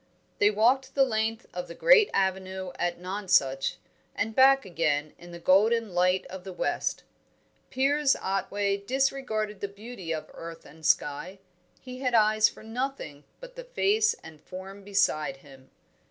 They walked the length of the great avenue at Nonsuch, and back again in the golden light of the west. Piers Otway disregarded the beauty of earth and sky, he had eyes for nothing but the face and form beside him.